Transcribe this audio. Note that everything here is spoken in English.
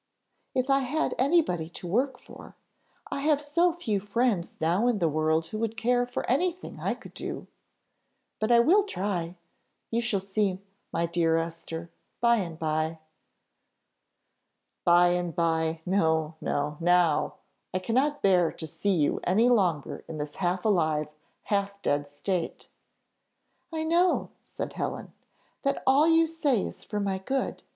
"If I had anybody to work for. I have so few friends now in the world who would care for anything I could do! But I will try you shall see, my dear Esther, by and bye." "By and bye! no, no now. I cannot bear to see you any longer, in this half alive, half dead state." "I know," said Helen, "that all you say is for my good.